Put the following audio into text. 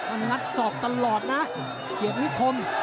มันนัดสอกตลอดนะเหยียดพิคม